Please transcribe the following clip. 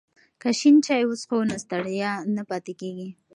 که شین چای وڅښو نو ستړیا نه پاتې کیږي.